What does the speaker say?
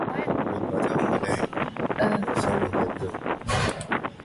His parents gave him the name Shankar Gajannan Purohit.